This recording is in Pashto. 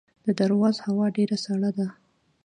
د درواز هوا ډیره سړه ده